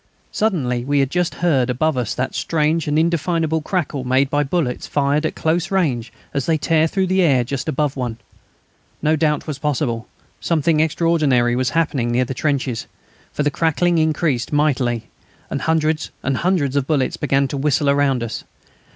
Suddenly we had just heard above us that strange and indefinable crackle made by bullets fired at close range as they tear through the air just above one. No doubt was possible; something extraordinary was happening near the trenches, for the crackling increased mightily, and hundreds and hundreds of bullets began to whistle round us.